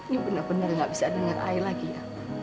you bener bener gak bisa denger ai lagi ya